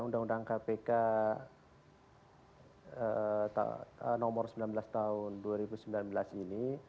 undang undang kpk nomor sembilan belas tahun dua ribu sembilan belas ini